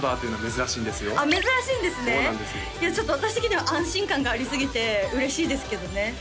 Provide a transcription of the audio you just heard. いやちょっと私的には安心感がありすぎて嬉しいですけどね